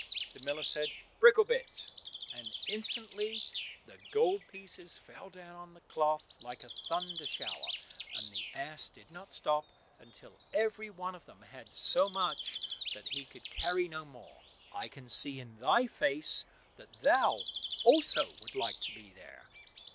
The miller said, "Bricklebrit," and instantly the gold pieces fell down on the cloth like a thunder shower, and the ass did not stop until every one of them had so much that he could carry no more. (I can see in thy face that thou also wouldst like to be there.)